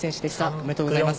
おめでとうございます。